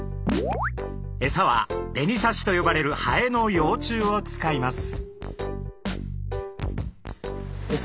エサは紅サシと呼ばれるハエの幼虫を使います。